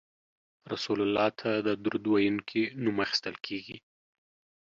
رسول الله ته د درود ویونکي نوم اخیستل کیږي